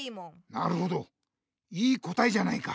なるほどいい答えじゃないか。